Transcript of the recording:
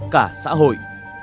cả xã hội